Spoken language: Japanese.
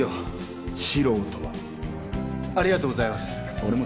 俺も。